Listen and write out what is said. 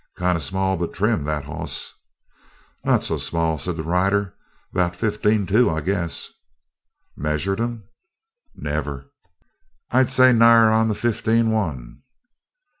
"Kind of small but kind of trim, that hoss." "Not so small," said the rider. "About fifteen two, I guess." "Measured him?" "Never." "I'd say nigher onto fifteen one."